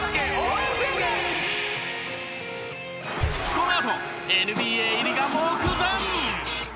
このあとＮＢＡ入りが目前！